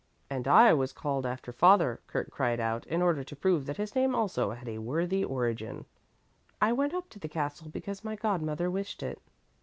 "And I was called after father," Kurt cried out, in order to prove that his name also had a worthy origin. "I went up to the castle because my godmother wished it.